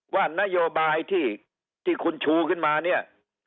ว่านโยบายที่คุณชูขึ้นมาเนี่ย